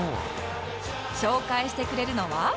紹介してくれるのは